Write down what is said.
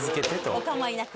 お構いなく。